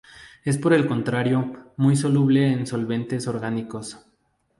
Es por el contrario muy soluble en solventes orgánicos.